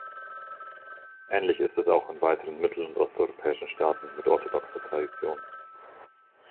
Ähnlich ist es auch in weiteren mittel- und osteuropäischen Staaten mit orthodoxer Tradition.